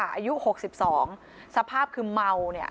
อายุ๖๒สภาพคือเมาเนี่ย